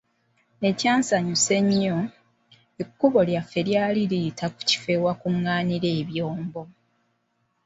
Ekyansanyusa ennyo, ekkubo lyaffe lyali liyita ku kifo awakunnnaanira ebyombo.